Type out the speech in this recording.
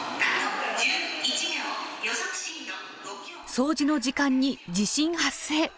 掃除の時間に地震発生。